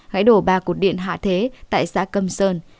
gãy đổ ba cụt điện hạ thế tại xã câm sơn